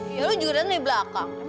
ya lu juga dari belakang